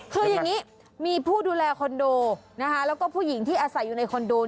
คืออย่างนี้มีผู้ดูแลคอนโดนะคะแล้วก็ผู้หญิงที่อาศัยอยู่ในคอนโด